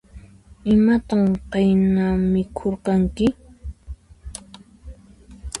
Imatan qayna mikhurqanki?